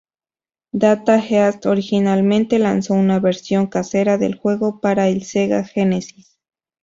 Data East originalmente lanzó una versión casera del juego para el Sega Genesis.